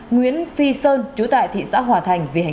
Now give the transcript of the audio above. nguyễn phi sơn chú tại thị xã hòa thành